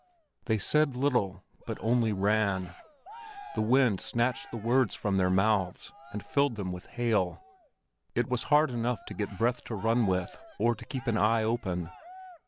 They said little, but only ran; the wind snatched the words from their mouths and filled them with hail. It was hard to get enough breath to run with, or to keep an eye open.